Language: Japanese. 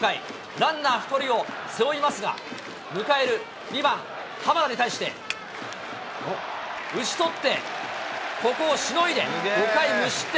ランナー１人を背負いますが、迎える２番ハマーに対して。打ち取ってここをしのいで、５回無失点。